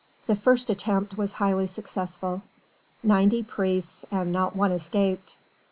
The first attempt was highly successful. Ninety priests, and not one escaped.